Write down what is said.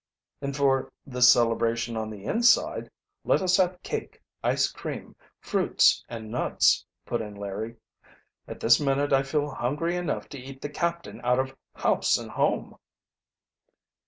"And for the celebration on the inside let us have cake, ice cream, fruits, and nuts," put in Larry. "At this minute I feel hungry enough to eat the captain out of house and home."